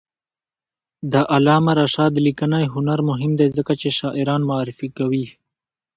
د علامه رشاد لیکنی هنر مهم دی ځکه چې شاعران معرفي کوي.